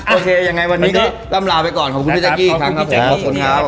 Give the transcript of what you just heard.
โอเคยังไงวันนี้ก็ล่ำลาไปก่อนขอบคุณพี่แจ๊กกี้อีกครั้งครับผมขอบคุณครับ